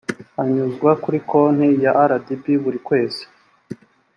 anyuzwa kuri konti ya rdb buri kwezi